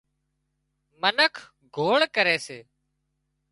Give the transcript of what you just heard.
منک گوۯ ڪري سي